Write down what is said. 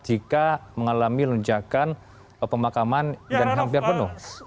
jika mengalami lunjakan pemakaman yang hampir penuh